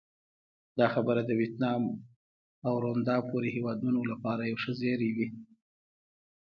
دا خبره د ویتنام او روندا پورې هېوادونو لپاره یو ښه زېری وي.